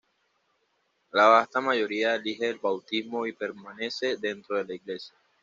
La vasta mayoría elige el bautismo y permanece dentro de la iglesia.